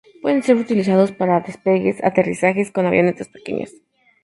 Pueden ser utilizados para despegues o aterrizajes con avionetas pequeñas.